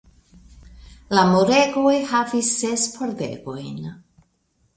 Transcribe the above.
La muregoj havis ses pordegojn.